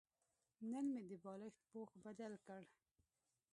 نن مې د بالښت پوښ بدل کړ.